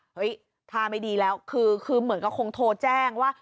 ท่าไม่ดีแล้วคือเหมือนกับคงโทรแจ้งว่า